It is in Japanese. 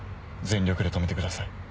全力で止めてください。